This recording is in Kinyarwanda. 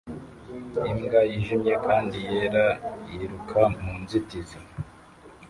Imbwa yijimye kandi yera yiruka mu nzitizi